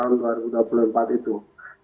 jadi saya berpikir proses proses yang kita lakukan